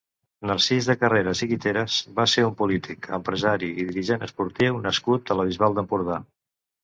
Narcís de Carreras i Guiteras va ser un polític, empresari i dirigent esportiu nascut a la Bisbal d'Empordà.